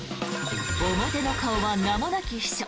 表の顔は名もなき秘書。